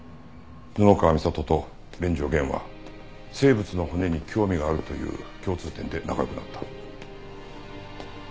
布川美里と連城源は生物の骨に興味があるという共通点で仲良くなった。